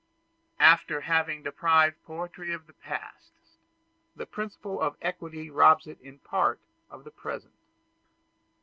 After having deprived poetry of the past, the principle of equality robs it in part of the present.